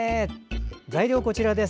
材料はこちらです。